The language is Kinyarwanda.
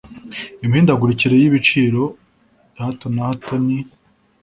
imihindagurikire y'ibiciro ya hato na hato n